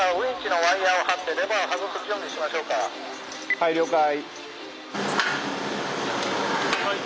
はい了解。